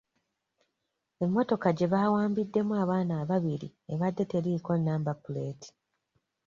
Emmotoka gye bawambiddemu abaana ababiri ebadde teriiko namba puleeti.